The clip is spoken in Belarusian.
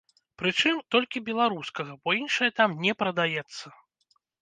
Прычым, толькі беларускага, бо іншае там не прадаецца.